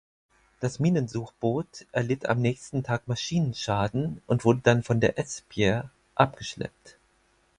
Das Minensuchboot erlitt am nächsten Tag Maschinenschaden und wurde dann von der "Esbjerg" abgeschleppt.